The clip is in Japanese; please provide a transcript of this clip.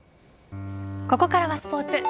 ここからはスポーツ。